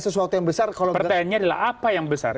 pertanyaannya adalah apa yang besar